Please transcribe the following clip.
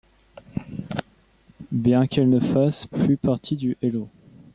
Bien qu'elle ne fasse plus partie du Hello!